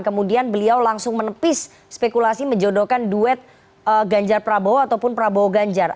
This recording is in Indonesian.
kemudian beliau langsung menepis spekulasi menjodohkan duet ganjar prabowo ataupun prabowo ganjar